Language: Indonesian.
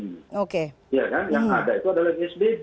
yang ada itu adalah psbb